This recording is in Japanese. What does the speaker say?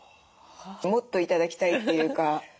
もっと頂きたいというか。